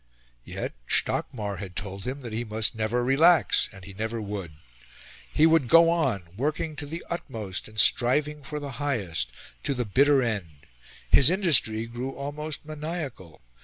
Yet Stockmar had told him that he must "never relax," and he never would. He would go on, working to the utmost and striving for the highest, to the bitter end. His industry grew almost maniacal.